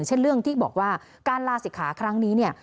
เช่นเรื่องที่บอกว่าการลาศิกขาครั้งนี้เนี่ย